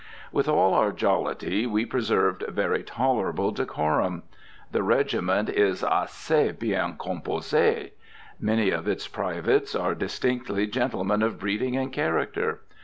With all our jollity we preserved very tolerable decorum. The regiment is assez bien composé. Many of its privates are distinctly gentlemen of breeding and character.